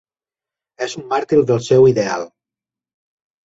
És un màrtir del seu ideal.